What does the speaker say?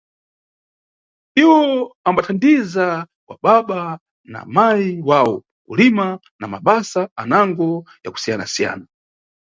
Iwo ambathandiza wa baba na mayi wawo kulima na mabasa anango ya kusiyanasiyana.